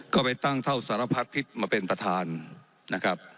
ก็ไปตั้งเท่าสารพัดพิษมาเป็นประธานนะครับ